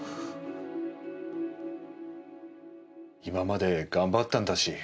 今まで頑張ったんだし。